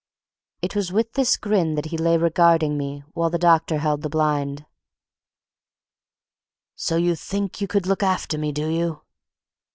It was with this grin that he lay regarding me while the doctor held the blind. "So you think you could look after me, do you?"